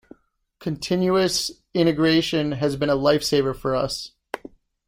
Continuous Integration has been a lifesaver for us.